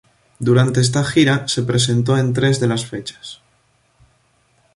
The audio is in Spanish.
Durante esta gira se presentó en tres de las fechas.